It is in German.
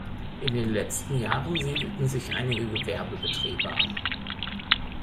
In den letzten Jahren siedelten sich einige Gewerbebetriebe an.